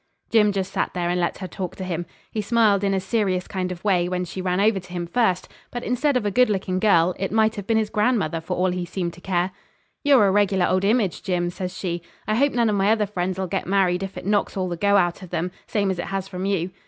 Jim just sat there and let her talk to him. He smiled in a serious kind of way when she ran over to him first; but, instead of a good looking girl, it might have been his grandmother for all he seemed to care. 'You're a regular old image, Jim,' says she. 'I hope none of my other friends 'll get married if it knocks all the go out of them, same as it has from you.